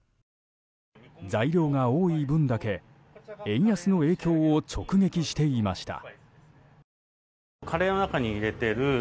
材料が多い分だけ円安の影響を直撃していました。